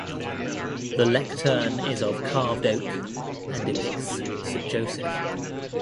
The lectern is of carved oak and depicts St Joseph.